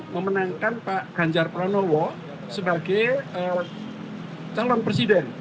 memenangkan pak ganjar pranowo sebagai calon presiden